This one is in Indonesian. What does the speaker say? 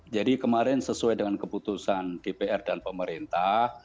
jadi kemarin sesuai dengan keputusan dpr dan pemerintah